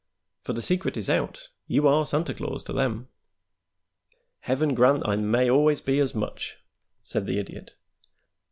"For the secret is out. You are Santa Claus to them." "Heaven grant I may always be as much," said the Idiot.